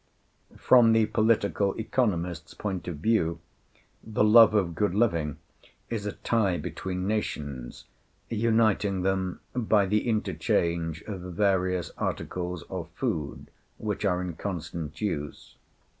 From the political economist's point of view, the love of good living is a tie between nations, uniting them by the interchange of various articles of food which are in constant use.